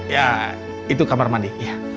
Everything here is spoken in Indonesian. ya itu kamar mandi